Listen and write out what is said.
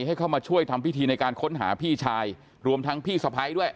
ให้เข้ามาช่วยทำพิธีในการค้นหาพี่ชายรวมทั้งพี่สะพ้ายด้วย